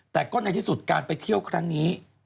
แต่ก็ในที่สุดการไปเที่ยวครั้งนี้